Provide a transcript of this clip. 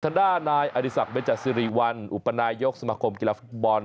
ธนานายอดิษักร์เบจศิริวัลอุปนายยกษ์สมคมกีฬาฟุตบอล